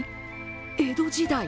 江戸時代。